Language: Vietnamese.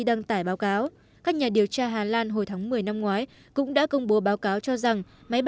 đăng tải báo cáo các nhà điều tra hà lan hồi tháng một mươi năm ngoái cũng đã công bố báo cáo cho rằng máy